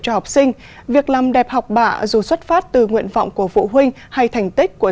cho học sinh việc làm đẹp học bạ dù xuất phát từ nguyện vọng của phụ huynh hay thành tích của